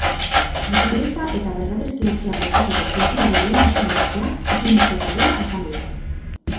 Bizikidetza eta berradiskidetzea bultzatzeko kulturari lehentasuna ematea ezinbestekoa dela esan dute.